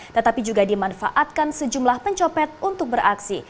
tetapi juga dimanfaatkan sejumlah pencopet untuk beraksi